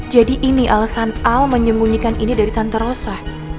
jadi ini alasan al menyembunyikan ini dari tante rosa